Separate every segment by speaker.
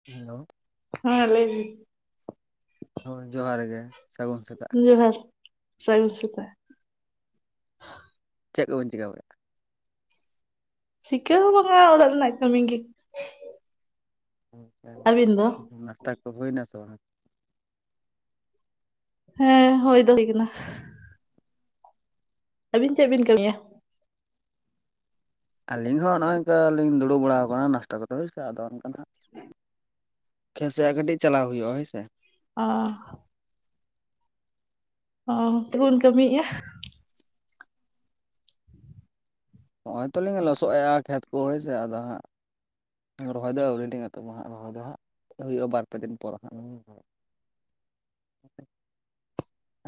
Speaker 1: [unintelligible]
Speaker 2: ᱦᱮᱸ ᱞᱟᱹᱭ ᱵᱤᱱ
Speaker 1: ᱦᱳᱭ ᱡᱚᱦᱟᱨ ᱜᱮ ᱥᱟᱹᱜᱩᱱ ᱥᱮᱛᱟᱜ᱾
Speaker 2: ᱡᱚᱦᱟᱨ, ᱥᱟᱹᱜᱩᱱ ᱥᱮᱛᱟᱜ᱾
Speaker 1: ᱪᱮᱫ ᱠᱚᱵᱤᱱ ᱪᱤᱠᱟ‌ᱹ ᱵᱟᱲᱟᱭ ᱮᱜᱼᱟ?
Speaker 2: ᱪᱤᱠᱟᱹ ᱦᱚᱸ ᱵᱟᱝᱟ ᱚᱲᱟᱜ ᱨᱮᱱᱟᱜ ᱠᱟᱹᱢᱤ ᱜᱮ᱾ ᱟᱹᱵᱤᱱ ᱫᱚ
Speaker 1: ᱱᱟᱥᱛᱟ ᱠᱚ ᱦᱩᱭᱱᱟ ᱥᱮ ᱵᱟᱝᱟ?
Speaker 2: ᱦᱮᱸ ᱦᱳᱭ ᱫᱚ ᱦᱩᱭ ᱠᱟᱱᱟ ᱾ ᱟᱹᱵᱤᱱ ᱪᱮᱫ ᱵᱤᱱ ᱠᱟᱹᱢᱤᱭᱟ?
Speaker 1: ᱟᱹᱞᱤᱧ ᱦᱚᱸ ᱱᱚᱭ ᱱᱚᱝᱠᱟ ᱞᱤᱧ ᱫᱩᱲᱩᱵ ᱵᱟᱲᱟ ᱟᱠᱟᱱᱟ ᱱᱟᱥᱛᱟ ᱠᱚᱫᱚ ᱦᱳᱭ ᱥᱮ ᱟᱫᱚ ᱚᱱᱠᱟᱱᱟᱜ ᱠᱷᱮᱥᱭᱟᱜ ᱠᱟᱹᱴᱤᱡ ᱪᱟᱞᱟᱣ ᱦᱩᱭᱩᱜᱼᱟ ᱦᱳᱭ ᱥᱮ ᱾
Speaker 2: ᱚᱻ ᱚ ᱛᱮᱵᱚᱱ ᱠᱟᱹᱢᱤᱭᱮᱼᱟ
Speaker 1: ᱱᱚᱭ ᱛᱚᱞᱤᱧ ᱞᱚᱥᱚᱮᱜᱼᱟ ᱠᱷᱮᱛ ᱠᱚ ᱦᱳᱭ ᱥᱮ ᱟᱫᱚ ᱦᱟᱸᱜ ᱨᱚᱦᱚᱭ ᱫᱚ ᱟᱹᱣᱨᱤ ᱞᱤᱧ ᱮᱛᱚᱦᱚᱵᱟ ᱦᱟᱸᱜ ᱨᱚᱦᱚᱭ ᱫᱚ ᱦᱟᱸᱜ ᱦᱩᱭᱩᱜᱼᱟ ᱵᱟᱨᱯᱮ ᱫᱤᱱ ᱯᱚᱨ ᱦᱟᱸᱜ᱾ [inaudible]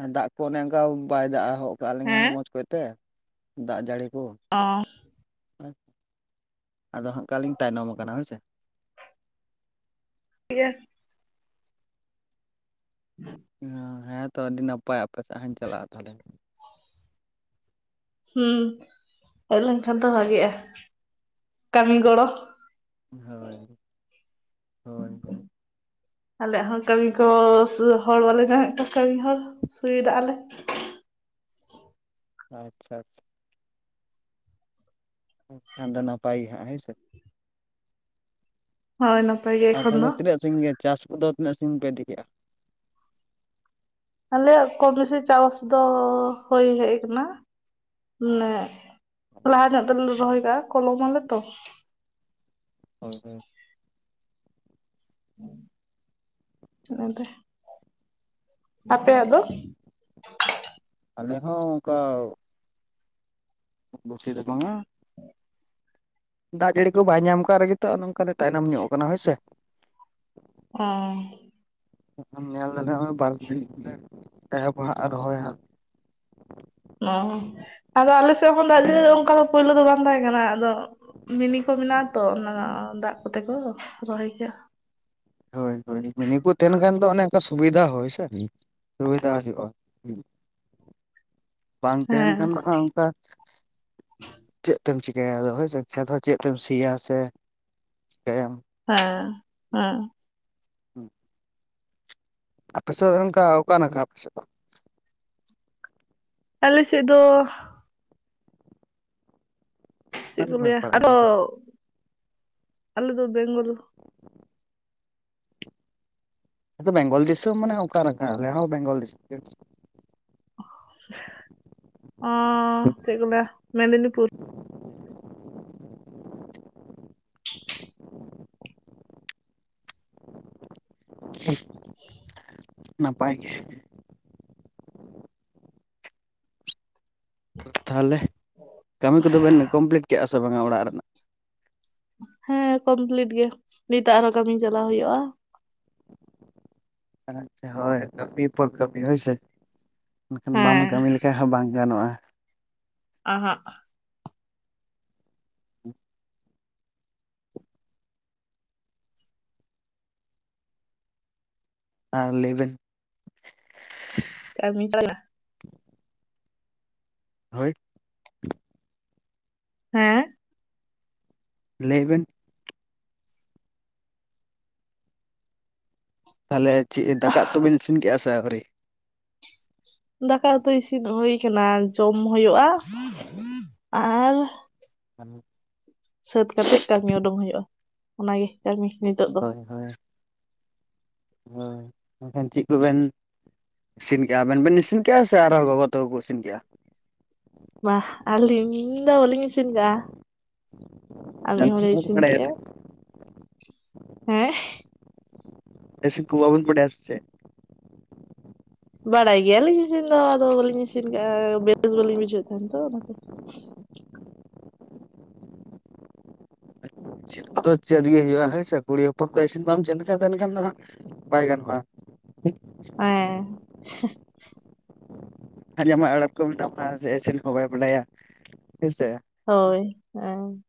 Speaker 1: ᱟᱨ ᱫᱟᱜ ᱠᱚ ᱚᱱᱮ ᱚᱱᱠᱟ ᱵᱟᱭ ᱫᱟᱜ ᱦᱚᱜ ᱠᱟᱜ ᱞᱤᱧᱟ
Speaker 2: ᱦᱮᱸ
Speaker 1: ᱢᱚᱸᱡᱽ ᱠᱚᱭᱛᱮ ᱫᱟᱜ ᱡᱟᱹᱲᱤ ᱠᱚ᱾
Speaker 2: ᱚᱻ
Speaker 1: ᱟᱫᱚ ᱦᱟᱸᱜ ᱠᱷᱟᱱᱞᱤᱧ ᱛᱟᱭᱱᱚᱢ ᱟᱠᱟᱱᱟ ᱦᱳᱭᱥᱮ᱾
Speaker 2: [unintelligible] [unintelligible]
Speaker 1: [unintelligible] ᱦᱮᱸ ᱛᱚ ᱟᱹᱰᱤ ᱱᱟᱯᱟᱭ, ᱟᱯᱮ ᱥᱮᱫ ᱦᱟᱸᱜ ᱤᱧ ᱪᱟᱞᱟᱜᱼᱟ ᱛᱟᱦᱟᱞᱮ।
Speaker 2: ᱦᱩᱸ, ᱦᱮᱡ ᱞᱮᱱᱠᱷᱟᱱ ᱛᱚ ᱵᱷᱟᱜᱤᱜᱼᱟ ᱠᱟᱹᱢᱤ ᱜᱚᱲᱚ।
Speaker 1: ᱦᱳᱭ, ᱦᱳᱭ ᱦᱳᱭ।
Speaker 2: ᱟᱞᱮᱭᱟᱜ ᱦᱚᱸ ᱠᱟᱹᱢᱤ ᱠᱚ ᱦᱚᱲ ᱵᱟᱞᱮ ᱧᱟᱢᱮᱫ ᱠᱚᱣᱟ, ᱠᱟᱹᱢᱤ ᱦᱚᱲ ᱥᱩᱵᱤᱫᱷᱟᱜ ᱟᱞᱮ।
Speaker 1: ᱟᱪᱪᱷᱟ ᱟᱪᱪᱷᱟ᱾ ᱴᱷᱟᱱᱰᱟ [unintelligible] ᱫᱚ ᱱᱟᱯᱟᱭ ᱦᱟᱸᱜ᱾ ᱦᱮᱸ ᱥᱮ?
Speaker 2: ᱦᱳᱭ ᱱᱟᱯᱟᱭ ᱜᱮ।
Speaker 1: ᱟᱨ
Speaker 2: ᱮᱠᱷᱚᱱ ᱫᱚ
Speaker 1: ᱛᱟᱦᱟᱞᱮ ᱛᱤᱱᱟᱹᱜ ᱥᱟᱸᱜᱤᱧ ᱜᱮ, ᱪᱟᱥ ᱠᱚᱫᱚ ᱛᱤᱱᱟᱹᱜ ᱥᱟᱸᱜᱤᱧ ᱯᱮ ᱤᱫᱤ ᱠᱮᱜᱼᱟ?
Speaker 2: ᱟᱞᱮᱭᱟᱜ ᱠᱚᱢ ᱵᱮᱥᱤ ᱪᱟᱥ ᱫᱚᱻ ᱦᱳᱭ ᱦᱮᱡ ᱟᱠᱟᱱᱟ। ᱢᱟᱱᱮ, ᱞᱟᱦᱟ ᱧᱚᱜ ᱛᱮᱜᱮ ᱞᱮ ᱨᱚᱦᱚᱭ ᱠᱟᱜᱼᱟ᱾ ᱠᱚᱞᱚᱢ ᱟᱞᱮ ᱛᱚ।
Speaker 1: ᱦᱳᱭ ᱦᱳᱭ।
Speaker 2: [inaudible] ᱚᱱᱟᱛᱮ। ᱟᱯᱮᱭᱟᱜ ᱫᱚ?
Speaker 1: ᱟᱞᱮ ᱦᱚᱸ ᱚᱝᱠᱟ ᱼᱼ [unintelligible] ᱵᱩᱥᱤ ᱫᱚ ᱵᱟᱝᱟ। ᱫᱟᱜ ᱡᱟᱹᱲᱤ ᱠᱚ ᱵᱟᱭ ᱧᱟᱢ ᱠᱟᱜ ᱨᱮᱜᱮ ᱛᱚ ᱱᱚᱝᱠᱟ ᱛᱟᱭᱱᱚᱢ ᱧᱚᱜ ᱠᱟᱱᱟ। ᱦᱳᱭ ᱥᱮ?
Speaker 2: ᱚᱸᱻ
Speaker 1: ᱧᱮᱞ [unintelligible] ᱱᱚᱜᱼᱚᱭ ᱵᱟᱨ ᱫᱤᱱ [inaudible] ᱮᱦᱚᱵᱟ ᱦᱟᱸᱜ ᱨᱚᱦᱚᱭ ᱦᱟᱸᱜ᱾
Speaker 2: ᱚᱸ, ᱟᱫᱚ ᱟᱞᱮ ᱥᱮᱫ ᱦᱚᱸ ᱫᱟᱜ ᱡᱟᱹᱲᱤ ᱚᱱᱠᱟ ᱫᱚ ᱯᱳᱭᱞᱳ ᱫᱚ ᱵᱟᱝ ᱛᱟᱦᱮᱸ ᱠᱟᱱᱟ᱾ ᱟᱫᱚ ᱼᱼ ᱢᱤᱱᱤ ᱠᱚ ᱢᱮᱱᱟᱜᱼᱟ ᱛᱚ, ᱚᱱᱟ ᱫᱟᱜ ᱠᱚᱛᱮ ᱠᱚ ᱨᱚᱦᱚᱭ ᱠᱮᱭᱟ।
Speaker 1: ᱦᱳᱭ ᱦᱳᱭ ᱢᱤᱱᱤ ᱠᱚ ᱛᱟᱦᱮᱱ ᱠᱷᱟᱱ ᱫᱚ ᱚᱱᱮ ᱚᱱᱠᱟ ᱥᱩᱵᱤᱫᱷᱟ ᱦᱳᱭ ᱥᱮ᱾ ᱥᱩᱵᱤᱫᱷᱟ ᱦᱩᱭᱩᱜᱼᱟ। ᱵᱟᱝ ᱛᱟᱦᱮᱱ
Speaker 2: ᱦᱮᱸ
Speaker 1: ᱠᱷᱟᱱ ᱫᱚ ᱦᱟᱸᱜ [unintelligible] ᱚᱱᱠᱟ ᱼᱼ ᱪᱮᱫ ᱛᱮᱢ ᱪᱤᱠᱟᱹᱭᱟ ᱟᱫᱚ ᱦᱳᱭ ᱥᱮ? ᱠᱷᱮᱛ ᱦᱚᱸ ᱪᱮᱫ ᱛᱮᱢ ᱥᱤᱭᱟ ᱥᱮ ᱪᱤᱠᱟᱹᱭᱟᱢ?
Speaker 2: ᱦᱮᱸ ᱦᱮᱸ।
Speaker 1: ᱦᱮᱸ ᱟᱯᱮᱥᱮᱫ ᱚᱱᱠᱟ ᱚᱠᱟ ᱱᱟᱠᱷᱟ [unintelligible] ᱟᱞᱮᱥᱮᱫ ᱫᱚ?
Speaker 2: ᱟᱞᱮ ᱥᱮᱫ ᱫᱚ ᱼᱼ ᱪᱮᱫ ᱠᱚ ᱞᱟᱹᱭᱟ?
Speaker 1: ᱯᱟᱲᱟᱜ
Speaker 2: ᱟᱫᱚᱻ
Speaker 1: ᱜᱮᱭᱟ ᱯᱮ
Speaker 2: ᱟᱞᱮ ᱫᱚ ᱵᱮᱝᱜᱚᱞ।
Speaker 1: ᱟᱫᱚ ᱵᱮᱝᱜᱚᱞ ᱫᱤᱥᱚᱢ ᱢᱟᱱᱮ ᱚᱠᱟ ᱱᱟᱠᱷᱟ? [unintelligible] ᱟᱞᱮ ᱦᱚᱸ ᱵᱮᱝᱜᱚᱞ ᱫᱤᱥᱚᱢ ᱜᱮ।
Speaker 2: [inaudible] ᱚᱸᱻ ᱪᱮᱫ ᱠᱚ ᱞᱟᱹᱭᱟ? ᱢᱮᱫᱤᱱᱤᱯᱩᱨ।
Speaker 1: [inaudible] ᱱᱟᱯᱟᱭ ᱜᱮ। [inaudible] ᱛᱟᱦᱟᱞᱮ, ᱠᱟᱹᱢᱤ ᱠᱚᱫᱚ ᱵᱮᱱ ᱠᱚᱢᱯᱞᱤᱴ ᱠᱮᱜᱼᱟ ᱥᱮ ᱵᱟᱝᱟ ᱚᱲᱟᱜ ᱨᱮᱱᱟᱜ?
Speaker 2: ᱦᱮᱸ ᱠᱚᱢᱯᱞᱤᱴ ᱜᱮ᱾ ᱱᱤᱛᱳᱜ ᱟᱨᱦᱚᱸ ᱠᱟᱹᱢᱤ ᱪᱟᱞᱟᱣ ᱦᱩᱭᱩᱜᱼᱟ।
Speaker 1: ᱟᱪᱪᱷᱟ ᱦᱳᱭ ᱠᱟᱹᱯᱤ ᱛᱚ ᱠᱟᱹᱯᱤ᱾ ᱦᱳᱭ ᱥᱮ? ᱢᱮᱱᱠᱷᱟᱱ ᱵᱟᱢ
Speaker 2: ᱦᱮᱸ
Speaker 1: ᱠᱟᱹᱢᱤ ᱞᱮᱠᱷᱟᱡ ᱦᱚᱸ ᱵᱟᱝ ᱜᱟᱱᱚᱜᱼᱟ।
Speaker 2: ᱚᱦᱚᱸᱜ᱾
Speaker 1: ᱦᱮᱸ [unintelligible] ᱟᱨ ᱞᱟᱹᱭ ᱵᱮᱱ᱾
Speaker 2: ᱠᱟᱹᱢᱤ [unintelligible]
Speaker 1: ᱦᱳᱭ
Speaker 2: ᱦᱮᱸ᱾
Speaker 1: ᱞᱟᱹᱭ ᱵᱮᱱ᱾ ᱛᱟᱦᱟᱞᱮ ᱪᱮᱫ ᱫᱟᱠᱟ ᱩᱛᱩ ᱵᱤᱱ ᱤᱥᱤᱱ ᱠᱮᱜᱼᱟ ᱥᱮ ᱟᱹᱣᱨᱤ?
Speaker 2: ᱫᱟᱠᱟ ᱩᱛᱩ ᱤᱥᱤᱱ ᱦᱩᱭ ᱟᱠᱟᱱᱟ, ᱡᱚᱢ ᱦᱩᱭᱩᱜᱼᱟ। ᱟᱨ ᱼᱼ
Speaker 1: ᱠᱟᱹᱢᱤ ᱼᱼ
Speaker 2: ᱥᱟᱹᱛ ᱠᱟᱛᱮᱫ ᱠᱟᱹᱢᱤ ᱩᱰᱩᱝ ᱦᱩᱭᱩᱜᱼᱟ᱾ ᱚᱱᱟᱜᱮ ᱠᱟᱹᱢᱤ ᱱᱤᱛᱚᱜ᱾ ᱫᱚ
Speaker 1: ᱦᱳᱭ ᱦᱳᱭ, ᱮᱱᱠᱷᱟᱱ ᱪᱮᱫ ᱠᱚ ᱵᱮᱱ ᱼᱼ ᱤᱥᱤᱱ ᱠᱮᱫᱼᱟ? ᱟᱵᱮᱱ ᱵᱮᱱ ᱤᱥᱤᱱ ᱠᱮᱫᱼᱟ ᱥᱮ ᱟᱨᱦᱚᱸ ᱜᱚᱜᱚ ᱛᱟᱠᱚ ᱤᱥᱤᱱ ᱠᱮᱫᱼᱟ?
Speaker 2: ᱵᱟᱜ ᱟᱞᱤ ᱫᱚ ᱵᱟᱞᱤᱧ ᱤᱥᱤᱱ ᱜᱟ ᱟ ᱢᱤ ᱦᱚᱲ ᱮ ᱤᱥᱤᱱ
Speaker 1: ᱵᱟᱲᱟᱭᱟ ᱥᱮ
Speaker 2: ᱠᱮᱜᱼᱟ ᱦᱮᱸ᱾
Speaker 1: ᱯᱮᱥᱤ ᱠᱩ ᱵᱟᱵᱤᱱ ᱵᱟᱰᱟᱭᱟ ᱥᱮ ᱪᱮ?
Speaker 2: ᱵᱟᱲᱟᱭ ᱜᱮᱭᱟᱞᱤᱧ ᱤᱥᱤᱱ ᱫᱚ ᱟᱫᱚ ᱵᱟᱹᱞᱤᱧ ᱤᱥᱤᱱ ᱠᱟᱜᱼᱟ ᱵᱮᱥ ᱵᱟᱹᱞᱤᱧ ᱵᱩᱡᱷᱟᱹᱣᱮᱫ ᱛᱟᱦᱮᱱ ᱛᱚ ᱚᱱᱟᱛᱮ᱾
Speaker 1: ᱪᱮᱫᱚ ᱪᱮᱫ ᱜᱮ ᱦᱩᱭᱩᱜᱼᱟ ᱦᱳᱭ ᱥᱮ ᱠᱩᱲᱤ ᱦᱚᱯᱚᱱ ᱫᱚ ᱤᱥᱤᱱ ᱵᱟᱢ ᱪᱮᱱ ᱠᱟ ᱛᱟᱦᱮᱱ ᱠᱷᱟᱱ ᱫᱚ ᱦᱟᱜ ᱵᱟᱭ ᱜᱟᱱᱚᱜᱼᱟ ᱾
Speaker 2: [unintelligible]
Speaker 1: [unintelligible] ᱢᱮᱱᱟᱜ ᱵᱚᱱᱟ ᱥᱮ ᱤᱥᱤᱱ ᱦᱚᱸ ᱵᱟᱭ ᱵᱟᱰᱟᱭᱟ ᱦᱮᱸᱥᱮ᱾
Speaker 2: ᱦᱳᱭ [inaudible]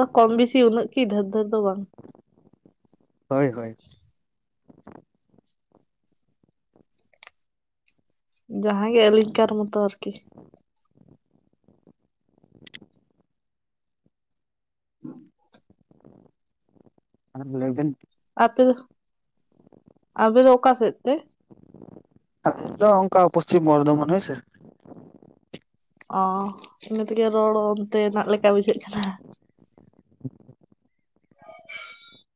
Speaker 2: ᱚ ᱠᱚᱢ ᱵᱤᱥᱤ ᱩᱱᱟᱹᱜ ᱠᱤ ᱰᱷᱮᱨ ᱰᱷᱮᱨ ᱫᱚ ᱵᱟᱝ᱾
Speaker 1: ᱦᱳᱭ ᱦᱳᱭ᱾
Speaker 2: ᱡᱟᱦᱟᱸ ᱜᱮ ᱟᱞᱤᱝᱠᱟᱨ ᱢᱚᱛᱚ ᱟᱨᱠᱤ᱾ ᱦᱩᱸᱜ [inaudible]
Speaker 1: ᱥᱟᱱᱟᱢ ᱞᱮᱭ ᱵᱤᱱ ᱾
Speaker 2: ᱟ ᱯᱮ ᱫᱚ ᱟᱵᱮ ᱚᱠᱟ ᱥᱮᱫ ᱛᱮ?
Speaker 1: ᱟᱞᱮ ᱫᱚ ᱚᱱᱠᱟ ᱯᱚᱥᱪᱤᱢ ᱵᱚᱨᱫᱷᱚᱢᱟᱱ ᱦᱳᱭ ᱥᱮ᱾
Speaker 2: ᱚ ᱤᱱᱟᱹ ᱛᱮᱜᱮ ᱨᱚᱲ ᱚᱱᱛᱮᱱᱟᱜ ᱞᱮᱠᱟ ᱵᱩᱡᱷᱟᱹᱜ ᱠᱟᱱᱟ᱾ [inaudible]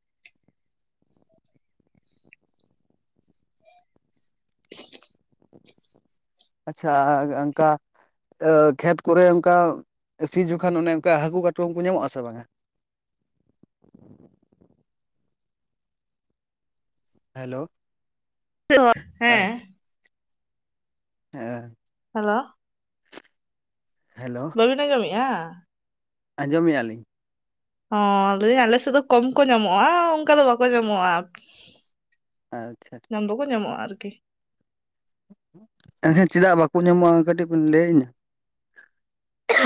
Speaker 1: ᱟᱪᱪᱷᱟ ᱟᱻᱚᱝᱠᱟ [inaudible] ᱠᱷᱮᱛ ᱠᱚᱨᱮ ᱚᱱᱠᱟ ᱥᱤ ᱡᱚᱠᱷᱟᱱ ᱚᱱᱮ ᱚᱝᱠᱟ ᱦᱟᱹᱠᱩ ᱠᱟᱴᱠᱚᱢ ᱠᱚ ᱧᱟᱢᱚᱜᱼᱟᱥᱮ ᱵᱟᱝᱼᱟ? ᱦᱮᱞᱳ,
Speaker 2: [inaudible]
Speaker 1: ᱟᱪ᱾ ᱦᱮᱸ᱾
Speaker 2: ᱦᱮᱞᱳ
Speaker 1: ᱦᱮᱞᱳ
Speaker 2: ᱵᱤᱱ ᱟᱸᱡᱚᱢᱮᱫᱼᱟ?
Speaker 1: ᱟᱸᱡᱚᱢ ᱢᱮᱭᱟᱞᱤᱝ ᱾
Speaker 2: ᱦᱚᱸ ᱞᱟᱹᱭ ᱟᱞᱮ ᱥᱮᱫ ᱫᱚ ᱠᱚᱢ ᱠᱚ ᱧᱟᱢᱚᱜᱼᱟ ᱚᱱᱠᱟ ᱫᱚ ᱵᱟᱠᱚ ᱧᱟᱢᱚᱜᱼᱟ᱾
Speaker 1: ᱟᱪᱪᱷᱟ᱾
Speaker 2: ᱧᱟᱢ ᱫᱚᱠᱚ ᱧᱟᱢᱚᱜᱼᱟ ᱟᱨᱠᱤ᱾
Speaker 1: ᱮᱸ ᱦᱮᱸ ᱪᱮᱫᱟᱜ ᱵᱟᱠᱚ ᱧᱟᱢᱚᱜᱼᱟ ᱠᱟᱹᱴᱤᱡ ᱵᱤᱱ ᱞᱟᱹᱭᱟᱧᱟ?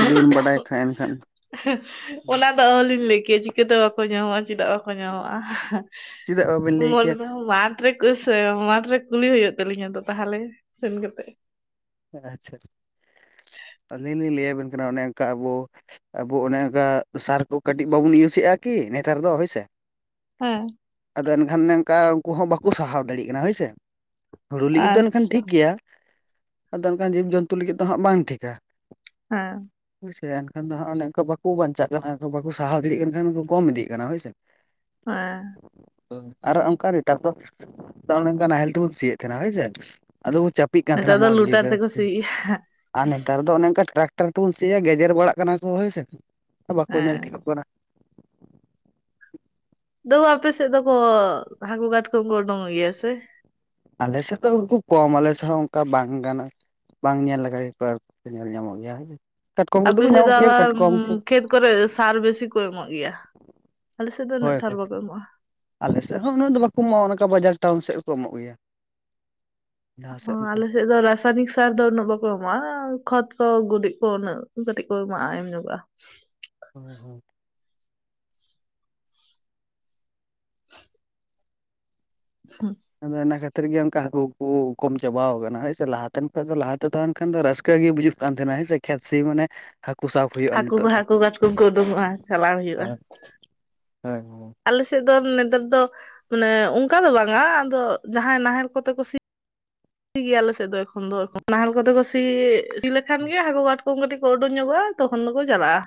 Speaker 1: ᱛᱤᱨᱤ ᱵᱤᱱ ᱵᱟᱰᱟᱭ ᱠᱷᱟᱡ ᱮᱱᱠᱷᱟᱱ᱾
Speaker 2: ᱚᱱᱟ ᱫᱚ ᱚᱦᱚᱸ ᱞᱤᱧ ᱞᱟᱹᱭ ᱠᱮᱭᱟ ᱪᱤᱠᱟᱹᱛᱮ ᱵᱟᱠᱚ ᱧᱟᱢᱚᱜᱼᱟ ᱪᱮᱫᱟᱜ ᱵᱟᱠᱚ ᱧᱟᱢᱚᱜᱼᱟ᱾
Speaker 1: ᱪᱮᱫᱟᱜ ᱵᱟᱵᱮᱱ ᱞᱟᱹᱭ ᱠᱮᱭᱟ
Speaker 2: [unintelligible] [unintelligible] ᱢᱟᱴᱷ ᱨᱮ ᱠᱩᱞᱤ ᱦᱩᱭᱩᱜ ᱛᱟᱹᱞᱤᱧᱟ ᱟᱫᱚ ᱛᱟᱦᱚᱞᱮ ᱥᱮᱱ ᱠᱟᱛᱮ᱾
Speaker 1: ᱟ ᱟᱪᱷᱟ ᱟᱹᱞᱤᱧ ᱞᱤᱧ ᱞᱟᱹᱭ ᱵᱮᱱ ᱠᱟᱱᱟ ᱚᱱᱮ ᱚᱱᱠᱟ ᱟᱵᱚ ᱟᱵᱚ ᱚᱱᱮ ᱚᱱᱠᱟ ᱥᱟᱨ ᱠᱚ ᱠᱟᱹᱴᱤᱡ ᱵᱟᱵᱩᱱ ᱤᱭᱩᱥᱮᱜᱼᱟ ᱠᱤ ᱱᱮᱛᱟᱨ ᱫᱚ ᱦᱳᱭ ᱥᱮ
Speaker 2: ᱦᱮᱸ᱾
Speaker 1: ᱟᱫᱚ ᱮᱱᱠᱷᱟᱱ ᱱᱮᱝᱠᱟ ᱩᱱᱠᱩ ᱦᱚᱸ ᱵᱟᱠᱩ ᱥᱟᱦᱟᱣ ᱫᱟᱲᱮᱜ ᱠᱟᱱᱟ ᱦᱳᱭᱥᱮ ᱦᱩᱲᱩ ᱞᱮ ᱤᱨᱫᱟ ᱮᱱᱠᱷᱟᱱ
Speaker 2: ᱟᱪᱪᱷᱟ
Speaker 1: ᱴᱷᱤᱠ ᱜᱮᱭᱟ᱾ ᱟᱫᱚ ᱮᱠᱷᱟᱱ ᱡᱤᱵᱽ ᱡᱚᱱᱛᱩ ᱞᱟᱹᱜᱤᱫ ᱫᱚ ᱦᱟᱸᱜ ᱵᱟᱝ ᱴᱷᱤᱠᱟ᱾
Speaker 2: ᱦᱮᱸ᱾
Speaker 1: ᱵᱩᱡ ᱠᱮᱫᱟ ᱮᱱᱠᱷᱟᱱ ᱫᱚ ᱦᱟᱜ ᱚᱱᱮ ᱚᱱᱠᱟ ᱵᱟᱠᱚ ᱵᱟᱧᱪᱟᱜ ᱠᱟᱱᱟ ᱵᱟᱠᱚ ᱥᱟᱦᱟᱣ ᱫᱟᱲᱮᱭᱟᱜ ᱠᱟᱱ ᱠᱷᱟᱱ ᱠᱚᱢ ᱤᱫᱤᱜ ᱠᱟᱱᱟ ᱦᱳᱭᱥᱮ᱾ [inaudible]
Speaker 2: [inaudible]
Speaker 1: [inaudible] ᱟᱨᱚ ᱚᱱᱠᱟ ᱨᱤᱛᱟᱨ ᱠᱚ ᱯᱞᱚᱢᱵᱞᱮᱢ ᱛᱟᱣ ᱱᱚᱝᱠᱟ ᱱᱟᱦᱮᱞ ᱛᱮᱵᱚᱱ ᱥᱤᱭᱮᱫ ᱛᱟᱸᱱᱟᱮ ᱦᱳᱭᱥᱮ ᱟᱫᱚ ᱪᱟ ᱯᱤᱜ ᱠᱟᱱ
Speaker 2: ᱱᱮᱛᱟᱨ
Speaker 1: ᱛᱟᱦᱮᱸᱱᱟ
Speaker 2: ᱫᱚ
Speaker 1: ᱢᱚᱸᱡᱽ ᱜᱤ
Speaker 2: ᱞᱩᱴᱟᱨ ᱛᱮᱠᱚ ᱥᱤᱭᱮᱜᱼᱟ
Speaker 1: ᱟᱨ ᱱᱮᱛᱟᱨ ᱫᱚ ᱚᱱᱮ ᱚᱱᱠᱟ ᱴᱨᱟᱠᱴᱟᱨ ᱛᱮᱵᱚᱱ ᱥᱤᱭᱟ ᱜᱮᱡᱮᱨ ᱵᱟᱲᱟᱜ ᱠᱟᱱᱟ ᱠᱚ ᱦᱳᱭᱥᱮ ᱵᱟᱠᱚ ᱧᱮᱞ
Speaker 2: ᱦᱮᱸ
Speaker 1: ᱴᱷᱤᱠᱚᱜ ᱠᱟᱱᱟ᱾
Speaker 2: ᱛᱩᱵᱩ ᱟᱯᱮ ᱥᱮᱫ ᱫᱚᱠᱚ ᱦᱟᱹᱠᱩ ᱠᱟᱴ ᱠᱚ ᱠᱚ ᱩᱰᱩᱠᱚᱜ ᱜᱮᱭᱟ ᱥᱮ?
Speaker 1: ᱟᱞᱮᱥᱮᱫ ᱫᱚ ᱮᱠᱴᱩ ᱠᱚᱢ ᱟᱞᱮ ᱥᱮᱫ ᱦᱚᱸ ᱚᱱᱠᱟ ᱵᱟᱝ ᱜᱟᱱᱚᱜᱼᱟ᱾ ᱵᱟᱝ ᱧᱮᱞ ᱞᱮᱠᱷᱟ ᱜᱮ ᱠᱚ ᱧᱮᱞ ᱧᱟᱢᱚᱜ ᱜᱮᱭᱟ ᱦᱳᱭ᱾ ᱠᱟᱴᱠᱚᱢ ᱠᱚᱫᱚ
Speaker 2: ᱟᱯᱮ
Speaker 1: ᱠᱚ
Speaker 2: ᱥᱮᱫ ᱫᱚ
Speaker 1: ᱧᱟᱢᱚᱜ ᱜᱮᱭᱟ
Speaker 2: ᱟᱵᱟᱨ
Speaker 1: ᱠᱟᱴᱠᱚᱢ ᱠᱚ
Speaker 2: ᱠᱷᱮᱛ ᱠᱚᱨᱮ ᱥᱟᱨ ᱵᱮᱥᱤ ᱠᱚ ᱮᱢᱚᱜ ᱜᱮᱭᱟ᱾ ᱟᱞᱮ ᱥᱮᱫ ᱫᱚ ᱩᱱᱟᱹᱜ
Speaker 1: ᱦᱳᱭ
Speaker 2: ᱥᱟᱨ
Speaker 1: ᱦᱳᱭ
Speaker 2: ᱵᱟᱠᱚ ᱮᱢᱚᱜᱼᱟ
Speaker 1: ᱟᱞᱮ ᱥᱮᱫ ᱦᱚᱸ ᱩᱱᱟᱹᱜ ᱫᱚ ᱵᱟᱠᱚ ᱮᱢᱚᱜᱼᱟ ᱚᱱᱠᱟ ᱵᱟᱡᱟᱨ ᱴᱟᱣᱩᱱ ᱥᱮᱫ ᱦᱚᱸᱠᱚ ᱮᱢᱚᱜ ᱜᱮᱭᱟ᱾ ᱡᱟᱦᱟᱸ
Speaker 2: ᱚ
Speaker 1: ᱚᱱᱠᱟ
Speaker 2: ᱟᱞᱮ ᱥᱮᱫ ᱫᱚ ᱨᱟᱥᱟᱭᱱᱤᱠ ᱥᱟᱨ ᱫᱚ ᱩᱱᱟᱹᱜ ᱵᱟᱠᱚ ᱮᱢᱟᱜᱼᱟ, ᱠᱷᱚᱛ ᱠᱚ ᱜᱩᱨᱤᱡ ᱠᱚ ᱩᱱᱟᱹᱜ ᱠᱟᱹᱴᱤᱡ ᱠᱚ ᱮᱢᱟᱜᱼᱟ ᱮᱢ ᱧᱚᱜᱚᱜᱼᱟ᱾
Speaker 1: [inaudible]
Speaker 2: ᱦᱩᱸ᱾
Speaker 1: ᱟᱫᱚ ᱚᱱᱟ ᱠᱷᱟᱹᱛᱤᱨ ᱜᱮ ᱚᱱᱠᱟ ᱦᱟᱹᱠᱩ ᱠᱚ ᱠᱚᱢ ᱪᱟᱵᱟ ᱠᱟᱱᱟ ᱦᱳᱭ ᱥᱮ ᱞᱟᱦᱟ ᱛᱮᱱ ᱠᱷᱚᱱ ᱫᱚ ᱞᱟᱦᱟᱛᱮ ᱛᱟᱦᱮᱸᱱ ᱠᱷᱟᱱ ᱫᱚ ᱨᱟᱹᱥᱠᱟᱹ ᱜᱮ ᱵᱩᱡᱷᱩᱜ ᱠᱟᱱ ᱛᱟᱦᱮᱸᱱᱟ ᱦᱳᱭ ᱥᱮ ᱠᱷᱮᱛ ᱥᱤ ᱢᱟᱱᱮ ᱦᱟᱹᱠᱩ ᱥᱟᱯ
Speaker 2: ᱦᱟᱹᱠᱩ ᱠᱚ ᱦᱟᱹᱠᱩ ᱠᱟᱴᱠᱚᱢ ᱠᱚ ᱩᱰᱩᱠᱚᱜᱼᱟ ᱪᱟᱞᱟᱣ ᱦᱩᱭᱩᱜᱼᱟ᱾
Speaker 1: ᱦᱳᱭ ᱦᱳᱭ ᱦᱮᱸ᱾
Speaker 2: ᱟᱞᱮ ᱥᱮᱫ ᱫᱚ ᱱᱮᱛᱟᱨ ᱫᱚ ᱢᱟᱱᱮ ᱚᱝᱠᱟ ᱫᱚ ᱵᱟᱝᱼᱟ ᱟᱫᱚ ᱡᱟᱦᱟᱸᱭ ᱱᱟᱦᱮᱞ ᱠᱚᱛᱮ ᱠᱚ ᱥᱤ ᱥᱤ ᱜᱤᱭᱟᱞᱮ ᱥᱮᱫ ᱫᱚ ᱮᱠᱷᱚᱱ ᱫᱚ ᱱᱟᱦᱮᱞ ᱠᱚᱛᱮ ᱠᱚ ᱥᱤ ᱤᱫᱤ ᱞᱮᱠᱷᱟᱱ ᱜᱮ ᱦᱟᱹᱠᱩ ᱠᱟᱴ ᱠᱚᱢ ᱠᱟᱹᱴᱤᱡ ᱠᱚ ᱩᱰᱩᱝ ᱧᱚᱜᱚᱜᱼᱟ ᱛᱚᱠᱷᱚᱱ ᱫᱚᱠᱚ ᱪᱟᱞᱟᱜᱼᱟ᱾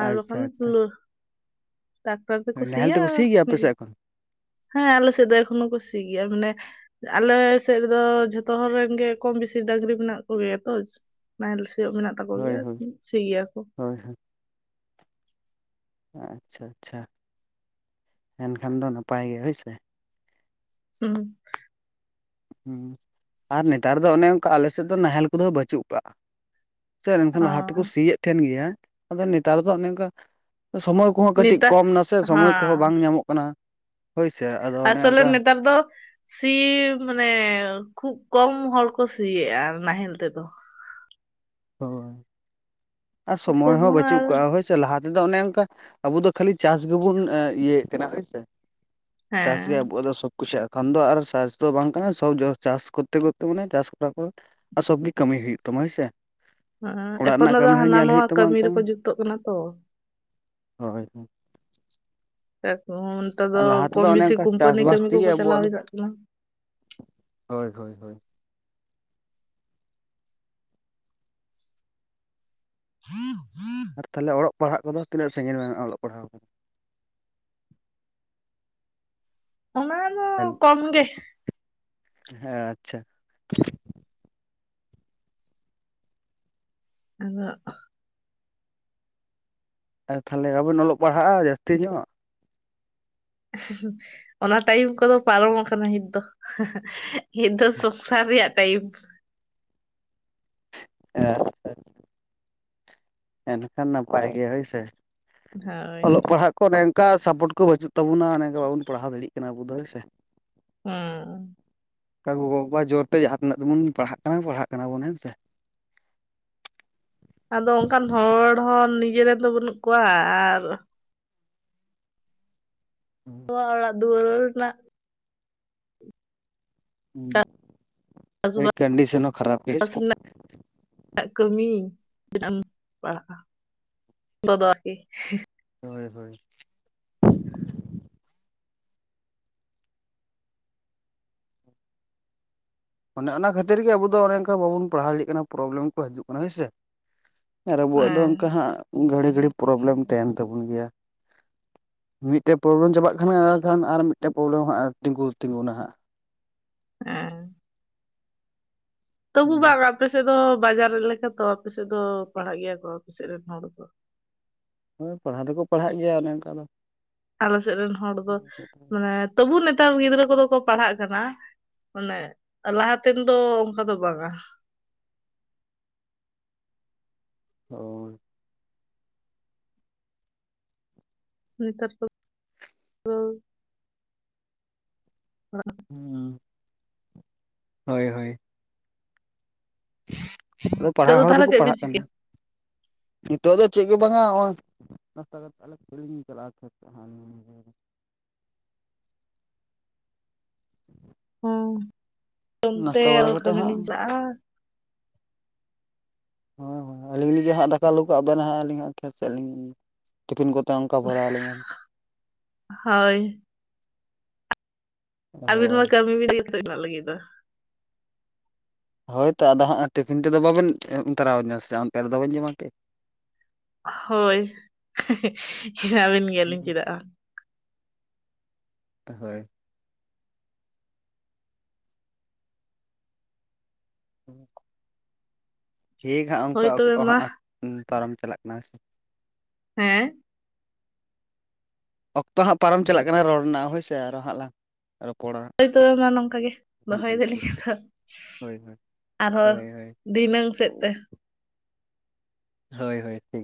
Speaker 2: ᱟᱨ
Speaker 1: ᱟᱪᱪᱷᱟ
Speaker 2: ᱵᱟᱠᱷᱟᱱ
Speaker 1: ᱟᱪᱪᱷᱟ
Speaker 2: [unintelligible] ᱴᱟᱠᱴᱟᱨ ᱛᱮᱠᱚ
Speaker 1: ᱱᱟᱦᱮᱞ
Speaker 2: ᱥᱤᱭᱟ
Speaker 1: ᱥᱤ ᱜᱮᱭᱟ ᱟᱯᱮ
Speaker 2: ᱢᱤᱞ
Speaker 1: ᱥᱮᱫ ᱮᱠᱷᱚᱱ
Speaker 2: ᱦᱮᱸ ᱟᱞᱮ ᱥᱮᱫ ᱫᱚ ᱮᱠᱷᱚᱱᱳ ᱠᱚ ᱥᱤ ᱜᱮᱭᱟ, ᱢᱟᱱᱮ ᱟᱞᱮ ᱥᱮᱫ ᱨᱮᱫᱚ ᱡᱷᱚᱛᱚ ᱦᱚᱲ ᱨᱮᱱ ᱜᱮ ᱠᱚᱢ ᱵᱮᱥᱤ ᱰᱟᱝᱨᱤ ᱢᱮᱱᱟᱜ ᱠᱚ ᱜᱮᱭᱟ ᱛᱚ, ᱱᱟᱦᱮᱞ ᱥᱤᱭᱚᱜ ᱢᱮᱱᱟᱜ ᱛᱟᱠᱚ
Speaker 1: ᱦᱳᱭ
Speaker 2: ᱜᱮᱭᱟ
Speaker 1: ᱦᱳᱭ
Speaker 2: ᱥᱤ ᱜᱮᱭᱟ ᱠᱚ᱾
Speaker 1: ᱦᱳᱭ ᱦᱳᱭ᱾ ᱟᱪᱪᱷᱟ ᱟᱪᱪᱷᱟ ᱮᱱᱠᱷᱟᱱ ᱫᱚ ᱱᱟᱯᱟᱭ ᱜᱮ ᱦᱳᱭ ᱥᱮ?
Speaker 2: ᱦᱩᱸ᱾
Speaker 1: ᱟᱨ ᱱᱮᱛᱟᱨ ᱫᱚ ᱚᱱᱮ ᱚᱱᱠᱟ ᱟᱞᱮ ᱥᱮᱫ ᱫᱚ ᱱᱟᱦᱮᱞ ᱠᱚᱫᱚ ᱵᱟᱪᱩᱜ ᱠᱟᱜᱼᱟ᱾ ᱥᱮ ᱮᱠᱷᱟᱱ
Speaker 2: ᱚ
Speaker 1: ᱞᱟᱦᱟ ᱛᱮ ᱠᱚ ᱥᱤᱭᱮᱫ ᱛᱟᱦᱮᱸᱱ ᱜᱮᱭᱟ, ᱟᱫᱚ ᱱᱮᱛᱟᱨ ᱫᱚ ᱚᱱᱮ ᱚᱝᱠᱟ ᱥᱚᱢᱚᱭ ᱠᱚᱦᱚᱸ ᱠᱟᱹᱴᱤᱡ
Speaker 2: ᱱᱮᱛᱟᱨ
Speaker 1: ᱠᱚᱢ ᱱᱟᱥᱮ ᱥᱚᱢᱚᱭ ᱠᱚᱦᱚᱸ
Speaker 2: ᱦᱮᱸ
Speaker 1: ᱵᱟᱝ ᱧᱟᱢᱚᱜ ᱠᱟᱱᱟ ᱦᱳᱭ ᱥᱮ, ᱟᱫᱚ ᱚᱱᱮ
Speaker 2: ᱟᱥᱚᱞᱮ
Speaker 1: ᱚᱱᱠᱟ
Speaker 2: ᱱᱮᱛᱟᱨ ᱫᱚ ᱥᱤ ᱢᱟᱱᱮ ᱠᱷᱩᱵ ᱠᱚᱢ ᱦᱚᱲ ᱠᱚ ᱥᱤ ᱮᱜᱼᱟ ᱱᱟᱦᱮᱞ ᱛᱮᱫᱚ᱾
Speaker 1: ᱦᱳᱭ ᱟᱨ
Speaker 2: ᱠᱷᱩᱵ
Speaker 1: ᱥᱚᱢᱚᱭ
Speaker 2: ᱠᱚᱢ
Speaker 1: ᱦᱚᱸ
Speaker 2: ᱦᱚᱲ
Speaker 1: ᱵᱟᱹᱪᱩᱜ
Speaker 2: ᱟᱨ
Speaker 1: ᱠᱟᱜᱼᱟ ᱦᱳᱭ ᱥᱮ? ᱞᱟᱦᱟ ᱛᱮᱫᱚ ᱚᱱᱮ ᱚᱱᱠᱟ ᱟᱵᱚ ᱫᱚ ᱠᱷᱟᱹᱞᱤ ᱪᱟᱥ ᱜᱮᱵᱚᱱ ᱤᱭᱟᱹᱭ ᱛᱟᱦᱮᱸᱱᱟ ᱦᱳᱭ ᱥᱮ? ᱪᱟᱥ
Speaker 2: ᱦᱮᱸ
Speaker 1: ᱜᱮ ᱟᱵᱚᱣᱟᱜ ᱫᱚ ᱥᱚᱵ ᱠᱩᱥᱤᱭᱟᱜ ᱠᱷᱟᱱ ᱫᱚ ᱟᱨ ᱪᱟᱥ ᱫᱚ ᱵᱟᱝ ᱠᱟᱱᱟ ᱥᱚᱵ ᱪᱟᱥ ᱠᱚᱨᱛᱮ ᱠᱚᱨᱛᱮ ᱢᱟᱱᱮ ᱪᱟᱥ ᱠᱚᱨᱟ ᱠᱚ ᱥᱚᱵ ᱜᱮ ᱠᱟᱹᱢᱤ ᱦᱩᱭᱩᱜ ᱛᱟᱢᱟ ᱦᱳᱭ ᱥᱮ᱾
Speaker 2: ᱦᱮᱸ
Speaker 1: ᱚᱲᱟᱜ
Speaker 2: ᱮᱠᱷᱚᱱ
Speaker 1: ᱨᱮᱱᱟᱜ
Speaker 2: ᱫᱚ
Speaker 1: ᱠᱟᱹᱢᱤ ᱦᱚᱸ
Speaker 2: ᱦᱟᱱᱟ
Speaker 1: ᱧᱮᱞ
Speaker 2: ᱱᱚᱣᱟ
Speaker 1: ᱦᱩᱭᱩᱜ ᱛᱟᱢᱟ
Speaker 2: ᱠᱟᱹᱢᱤ
Speaker 1: ᱚᱱᱠᱟ
Speaker 2: ᱨᱮᱠᱚ ᱡᱩᱠᱛᱚᱜ ᱠᱟᱱᱟ ᱛᱚ᱾
Speaker 1: ᱦᱳᱭ ᱦᱳᱭ᱾
Speaker 2: [unintelligible] ᱱᱮᱛᱟᱨ
Speaker 1: ᱟᱨ
Speaker 2: ᱫᱚ
Speaker 1: ᱞᱟᱦᱟ
Speaker 2: ᱠᱚᱢ
Speaker 1: ᱛᱮᱫᱚ ᱚᱱᱮ
Speaker 2: ᱵᱮᱥᱤ
Speaker 1: ᱚᱱᱠᱟ
Speaker 2: ᱠᱳᱢᱯᱟᱱᱤ
Speaker 1: ᱪᱟᱥᱵᱟᱥ
Speaker 2: ᱠᱟᱹᱢᱤ
Speaker 1: ᱛᱮᱜᱮ
Speaker 2: ᱠᱚᱠᱚ
Speaker 1: ᱟᱵᱚᱣᱟᱜ
Speaker 2: ᱪᱟᱞᱟᱣ
Speaker 1: ᱫᱚ
Speaker 2: ᱡᱟᱣᱨᱟᱜ ᱠᱟᱱᱟ᱾
Speaker 1: ᱦᱳᱭ ᱦᱳᱭ ᱦᱳᱭ᱾
Speaker 2: [inaudible]
Speaker 1: ᱟᱨ ᱛᱟᱦᱚᱞᱮ ᱚᱞᱚᱜ ᱯᱟᱲᱦᱟᱜ ᱠᱚᱫᱚ ᱛᱤᱱᱟᱹᱜ ᱥᱟᱜᱤᱧ ᱵᱮᱱ ᱚᱞᱚᱜ ᱯᱟᱲᱦᱟᱣ ᱠᱟᱱᱟ?
Speaker 2: ᱚᱱᱟ ᱫᱚ
Speaker 1: ᱦᱮᱞ
Speaker 2: ᱠᱚᱢ ᱜᱮ᱾
Speaker 1: ᱦᱮᱸ ᱟᱪᱪᱷᱟ᱾
Speaker 2: ᱟᱫᱚ
Speaker 1: ᱟᱫᱚ ᱛᱷᱟᱞᱮ ᱵᱟᱵᱮᱱ ᱚᱞᱚᱜ ᱯᱟᱲᱦᱟᱜᱼᱟ ᱡᱟᱹᱥᱛᱤ ᱧᱚᱜ᱾
Speaker 2: [inaudible] ᱚᱱᱟ ᱴᱟᱭᱤᱢ ᱠᱚᱫᱚ ᱯᱟᱨᱚᱢ ᱟᱠᱟᱱᱟ ᱧᱤᱛ ᱫᱚ, ᱧᱤᱛ ᱫᱚ ᱥᱚᱝᱥᱟᱨ ᱨᱮᱭᱟᱜ ᱴᱟᱭᱤᱢ᱾
Speaker 1: ᱦᱮᱸ ᱟᱪᱪᱷᱟ ᱟᱪᱪᱷᱟ᱾ ᱮᱱᱠᱷᱟᱱ ᱱᱟᱯᱟᱭ ᱜᱮ ᱦᱳᱭ ᱥᱮ,
Speaker 2: ᱦᱳᱭ
Speaker 1: ᱚᱞᱚᱜ ᱯᱟᱲᱦᱟᱜ ᱠᱚ ᱚᱱᱮ ᱚᱝᱠᱟ ᱥᱟᱯᱚᱴ ᱠᱚ ᱵᱟᱹᱪᱩᱜ ᱛᱟᱵᱚᱱᱟ ᱚᱱᱮ ᱚᱝᱠᱟ ᱵᱟᱵᱩᱱ ᱯᱟᱲᱦᱟᱣ ᱫᱟᱲᱤᱜ ᱠᱟᱱᱟ ᱟᱵᱚ ᱫᱚ ᱦᱚᱭ ᱥᱮ᱾
Speaker 2: ᱦᱮᱸ
Speaker 1: ᱠᱟ ᱜᱚᱜᱚᱼᱵᱟᱵᱟ ᱡᱳᱨ ᱛᱮ ᱡᱟᱦᱟᱸ ᱛᱤᱱᱟᱹᱜ ᱜᱮᱵᱚᱱ ᱯᱟᱲᱦᱟᱜ ᱠᱟᱱᱟ ᱯᱟᱲᱦᱟᱜ ᱠᱟᱱᱟ ᱵᱚᱱ ᱦᱮᱸ ᱥᱮ᱾
Speaker 2: ᱟᱫᱚ ᱚᱝᱠᱟᱱ ᱦᱚᱲ ᱦᱚᱸ ᱱᱤᱡᱮᱨᱮᱱ ᱫᱚ ᱵᱟᱹᱱᱩᱜ ᱠᱚᱣᱟ ᱟᱨ ᱱᱚᱣᱟ ᱚᱲᱟᱜ ᱫᱩᱣᱟᱹᱨ ᱨᱮᱱᱟᱜ
Speaker 1: ᱦᱩᱸ ᱠᱟᱹᱡ ᱠᱟᱱᱰᱤᱥᱚᱱ ᱠᱷᱟᱨᱟᱯ ᱜᱮ [unintelligible]
Speaker 2: ᱠᱟᱹᱢᱤ ᱛᱤᱱᱟᱸᱜ ᱮᱢ ᱯᱟᱲᱦᱟᱜᱼᱟ᱾ ᱛᱚᱜ ᱫᱚ ᱟᱨᱠᱤ
Speaker 1: ᱦᱳᱭ ᱦᱳᱭ ᱚᱱᱮ ᱚᱱᱟ ᱠᱷᱟᱹᱛᱤᱨ ᱜᱮ ᱟᱵᱚ ᱫᱚ ᱚᱱᱮ ᱚᱝᱠᱟ ᱵᱟᱵᱩᱱ ᱯᱟᱲᱦᱟᱣ ᱫᱟᱲᱮᱜ ᱠᱟᱱᱟ ᱯᱨᱚᱵᱞᱮᱢ ᱠᱚ ᱦᱟᱹᱡᱩᱜ ᱠᱟᱱᱟ ᱦᱳᱭᱥᱮ᱾ ᱟᱨ ᱟᱵᱚᱣᱟᱜ ᱫᱚ
Speaker 2: ᱦᱮᱸ
Speaker 1: ᱚᱝᱠᱟ ᱦᱟᱸᱜ ᱜᱷᱟᱹᱲᱤ ᱜᱷᱟᱹᱲᱤ ᱯᱨᱚᱵᱞᱮᱢ ᱛᱟᱦᱮᱱ ᱛᱟᱵᱩᱱ ᱜᱮᱭᱟ᱾ ᱢᱤᱫᱴᱮᱜ ᱯᱨᱚᱵᱞᱮᱢ ᱪᱟᱵᱟᱜ ᱠᱷᱟᱱ ᱟ ᱠᱷᱟᱱ ᱟᱨ ᱢᱤᱫᱴᱮᱜ ᱯᱨᱚᱵᱞᱮᱢ ᱦᱟᱸᱜ ᱛᱤᱸᱜᱩ ᱛᱤᱸᱜᱩᱱᱟ ᱦᱟᱸᱜ᱾
Speaker 2: ᱦᱮᱸ ᱛᱚᱵᱩ
Speaker 1: ᱦᱟᱸᱜ
Speaker 2: ᱵᱟᱝ ᱟᱯᱮ ᱥᱮᱜ ᱫᱚ ᱵᱟᱡᱟᱨ ᱮᱞᱮᱠᱟ ᱛᱚ ᱟᱯᱮ ᱥᱮᱜ ᱫᱚ ᱯᱟᱲᱦᱟᱜ ᱜᱮᱭᱟ ᱠᱚ ᱟᱯᱮ ᱥᱮᱜ ᱨᱮᱱ ᱦᱚᱲ ᱫᱚ᱾
Speaker 1: ᱦᱳᱭ ᱯᱟᱲᱦᱟᱣ ᱫᱚᱠᱚ ᱯᱟᱲᱦᱟᱜ ᱜᱮᱭᱟ ᱚᱱᱮ ᱚᱝᱠᱟ ᱫᱚ᱾
Speaker 2: ᱟᱞᱮ ᱥᱮᱜ ᱨᱮᱱ ᱦᱚᱲ ᱫᱚ ᱢᱟᱱᱮ ᱛᱚᱵᱩ ᱱᱮᱛᱟᱨ ᱜᱤᱫᱽᱨᱟᱹ ᱠᱚᱫᱚ ᱠᱚ ᱯᱟᱲᱦᱟᱜ ᱠᱟᱱᱟ᱾ ᱢᱟᱱᱮ ᱞᱟᱦᱟᱛᱮᱱ ᱫᱚ ᱚᱝᱠᱟ ᱫᱚ ᱵᱟᱝᱟ᱾
Speaker 1: ᱚ
Speaker 2: ᱧᱮᱛᱟᱨ ᱫᱚ [inaudible]
Speaker 1: [inaudible] ᱦᱳᱭ ᱦᱳᱭ᱾ ᱟᱫᱚ
Speaker 2: ᱱᱤᱛᱚᱜ
Speaker 1: ᱯᱟᱲᱦᱟᱣ
Speaker 2: ᱫᱚ
Speaker 1: ᱦᱚᱲ
Speaker 2: ᱛᱟᱦᱚᱞᱮ
Speaker 1: ᱫᱚᱠᱚ
Speaker 2: ᱪᱮᱫ ᱵᱤᱱ
Speaker 1: ᱯᱟᱲᱦᱟᱜ ᱠᱟᱱ
Speaker 2: ᱪᱤᱠᱟᱹᱭᱟ
Speaker 1: ᱱᱤᱛᱚᱜ ᱫᱚ ᱪᱮᱜ ᱜᱮ ᱵᱟᱝᱟ ᱦᱚᱸᱜᱼᱚᱭ ᱱᱟᱥᱛᱟ [unintelligible] [unintelligible] ᱪᱟᱞᱟᱜᱼᱟ [unintelligible] [inaudible]
Speaker 2: ᱦᱚᱸ ᱚᱱᱛᱮ
Speaker 1: ᱱᱟᱥᱛᱟ ᱵᱟᱲᱟ ᱠᱟᱟᱛᱜ
Speaker 2: ᱠᱟᱹᱢᱤ
Speaker 1: ᱦᱟᱸᱜ
Speaker 2: ᱞᱤᱧ ᱪᱟᱞᱟᱜᱼᱟ
Speaker 1: ᱦᱚᱭ ᱦᱚᱭ ᱟᱹᱞᱤᱧ ᱞᱟᱹᱜᱤᱜ ᱦᱟᱸᱜ ᱫᱟᱠᱟ ᱞᱩ ᱠᱟᱜᱼᱵᱮᱱ ᱦᱟᱸᱜ ᱟᱞᱤᱧ ᱦᱟᱸᱜ ᱠᱷᱮᱛ ᱥᱮᱜ ᱞᱤᱧ ᱴᱤᱯᱷᱤᱱ ᱠᱚᱛᱮ ᱚᱝᱠᱟ ᱵᱷᱚᱨᱟᱣ ᱟᱞᱤᱧᱟᱢ᱾
Speaker 2: ᱦᱳᱭ ᱟᱵᱤᱱ
Speaker 1: ᱦᱳᱭ
Speaker 2: ᱢᱟ ᱠᱟᱹᱢᱤ ᱵᱤᱱ [inaudible]
Speaker 1: ᱦᱚᱭᱛᱚ ᱟᱫᱚ ᱦᱟᱸᱜ ᱴᱤᱯᱷᱤᱱ ᱛᱮᱫᱚ ᱵᱟᱵᱮᱱ [inaudible] ᱛᱚᱨᱟᱧᱟᱹ ᱥᱮ ᱚᱱᱛᱮ ᱨᱮᱫᱚ ᱵᱟᱹᱧ ᱡᱚᱢᱟ ᱠᱤ᱾
Speaker 2: ᱦᱳᱭ [unintelligible] ᱵᱮᱱ ᱜᱮᱭᱟᱞᱤᱧ ᱪᱮᱫᱟᱜ ᱵᱟᱝ᱾
Speaker 1: ᱦᱳᱭ [inaudible] ᱴᱷᱤᱠ ᱦᱟᱸᱜ ᱚᱝᱠᱟ
Speaker 2: ᱦᱳᱭ ᱛᱚᱵᱮ
Speaker 1: ᱚᱠᱛᱚ
Speaker 2: ᱢᱟ
Speaker 1: ᱦᱟᱸᱜ ᱯᱟᱨᱚᱢ ᱪᱟᱞᱟᱜ ᱠᱟᱱᱟ ᱦᱮᱸ ᱥᱮ᱾
Speaker 2: ᱦᱮᱸ
Speaker 1: ᱚᱠᱛᱚ ᱦᱟᱸᱜ ᱯᱟᱨᱚᱢ ᱪᱟᱞᱟᱜ ᱠᱟᱱᱟ ᱨᱚᱲ ᱨᱮᱱᱟᱜ ᱦᱳᱭ ᱥᱮ ᱟᱨᱚ ᱦᱟᱸᱜ ᱞᱟᱝᱼᱼ ᱨᱚᱯᱚᱲᱟ᱾
Speaker 2: ᱦᱳᱭ ᱛᱚᱵᱮ ᱢᱟ ᱱᱚᱝᱠᱟ ᱜᱮ
Speaker 1: ᱦᱟᱸᱜ
Speaker 2: ᱫᱚᱦᱚᱭ ᱫᱟᱞᱤᱧ
Speaker 1: ᱦᱳᱭ ᱦᱳᱭ
Speaker 2: ᱟᱨᱦᱚᱸᱼᱼ
Speaker 1: ᱦᱳᱭ ᱦᱳᱭ
Speaker 2: ᱫᱷᱤᱱᱟᱹᱝ ᱥᱮᱫ ᱛᱮᱼᱼ
Speaker 1: ᱦᱳᱭ ᱦᱳᱭ ᱴᱷᱤᱠ